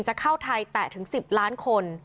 จะเข้าไทยแตะถึง๑๐ล้านคน